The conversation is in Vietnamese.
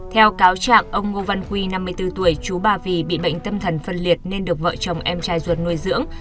theo cáo trạng ông ngô văn quy năm mươi bốn tuổi chú ba vì bị bệnh tâm thần phân liệt nên được vợ chồng em trai ruột nuôi dưỡng